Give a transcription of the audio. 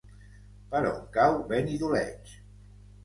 Per on cau Benidoleig?